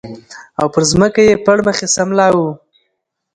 او پر ځمکه یې پړ مخې سملاوه